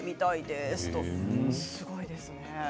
すごいですね。